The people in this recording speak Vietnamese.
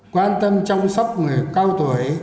quan tâm chăm sóc người cao tuổi